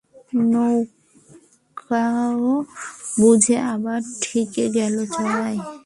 নৌকো বুঝি আবার ঠেকে গেল চড়ায়।